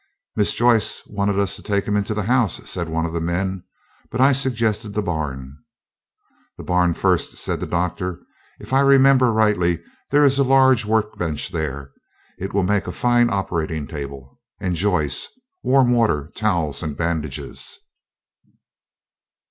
"Miss Joyce wanted us to take him into the house," said one of the men, "but I suggested the barn." "The barn first," said the Doctor; "if I remember rightly, there is a large work bench there. It will make a fine operating table. And, Joyce, warm water, towels, and bandages."